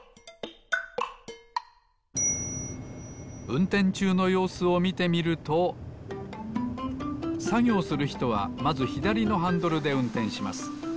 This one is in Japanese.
うんてんちゅうのようすをみてみるとさぎょうするひとはまずひだりのハンドルでうんてんします。